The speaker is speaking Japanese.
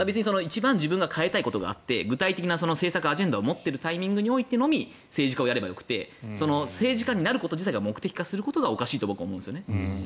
自分が変えたいことがあって具体的な政策アジェンダを持っているタイミングのみ政治家をやればよくて政治家になること自体が目的化することがおかしいと思うんですよね。